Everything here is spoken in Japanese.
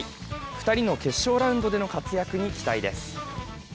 ２人の決勝ラウンドでの活躍に期待です。